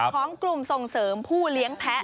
ของกลุ่มส่งเสริมผู้เลี้ยงแพ้